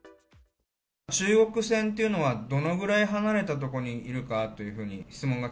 中国船っていうのは、どのぐらい離れた所にいるかというふうに質問が。